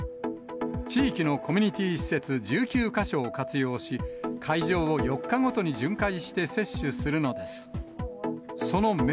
地域のコミュニティー施設１９か所を活用し、会場を４日ごとに巡回して接種するのです。